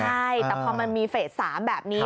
ใช่แต่พอมันมีเฟส๓แบบนี้